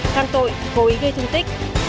căn tội cố ý gây thương tích